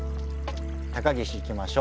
高岸いきましょう。